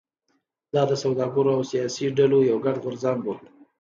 دا د سوداګرو او سیاسي ډلو یو ګډ غورځنګ و.